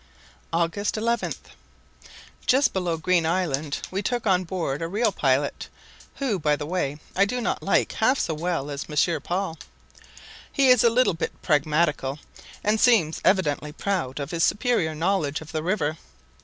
August 11. Just below Green Island we took on board a real pilot, who, by the way, I do not like half so well as Monsieur Paul. He is a little bit pragmatical, and seems evidently proud of his superior knowledge of the river.